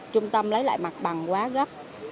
trung tâm lấy lại mặt bằng quá gấp